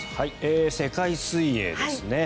世界水泳ですね。